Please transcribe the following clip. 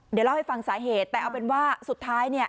เดี๋ยวเล่าให้ฟังสาเหตุแต่เอาเป็นว่าสุดท้ายเนี่ย